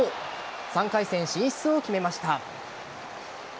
３回戦進出を決めました。